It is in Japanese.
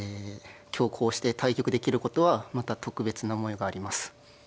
今日こうして対局できることはまた特別な思いがあります。